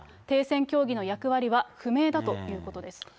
停戦協議の役割は不明だということです。